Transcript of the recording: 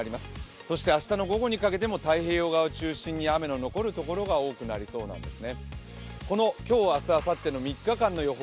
そして明日の午後にかけても太平洋側を中心に雨の残るところが多くなりそうなんですね。